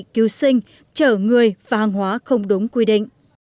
cứu sinh chở người và hàng hóa không đúng quy định